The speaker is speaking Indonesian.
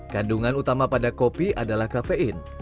kandungan utama pada kopi adalah kafein